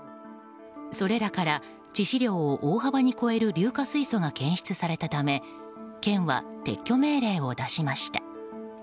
それらから致死量を大幅に超える硫化水素が検出されたため県は撤去命令を出しました。